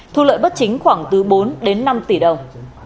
thu lợi bất chính khoảng từ bốn đến năm tỷ đồng